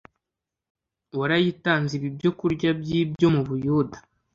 Warayitanze iba ibyokurya by ibyo mu butayu